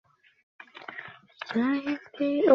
কিভাবে বুঝব তোমরা তাকে আঘাত করনি?